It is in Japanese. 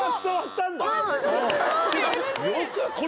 よく。